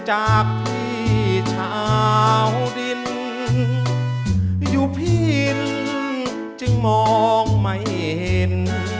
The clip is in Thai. จากพี่ชาวดินอยู่พินจึงมองไม่เห็น